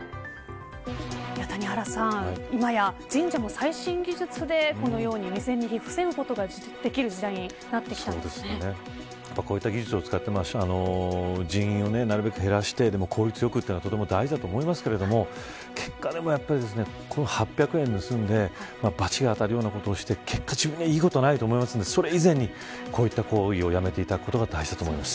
谷原さん、今や神社も最新技術でこのように未然に防ぐことができる時代にこういった技術を使って人員をなるべく減らして効率よくというのは大事だと思いますが８００円を盗んでばちが当たるようなことをして結果いいことないと思いますしそれ以前に、こういった行為をやめることが大切だと思います。